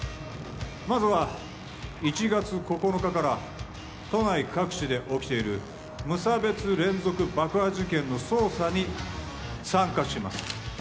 まずは１月９日から都内各地で起きている無差別連続爆破事件の捜査に参加します。